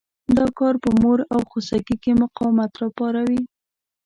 دا کار په مور او خوسکي کې مقاومت را پاروي.